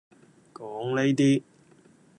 講呢啲